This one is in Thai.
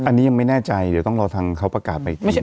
อันนี้ยังไม่แน่ใจเดี๋ยวต้องรอทางเขาประกาศไปอีกที